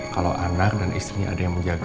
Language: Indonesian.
kalau anak dan istrinya ada yang menjaga